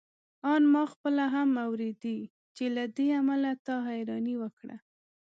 آن ما خپله هم اورېدې چې له دې امله تا حيراني وکړه.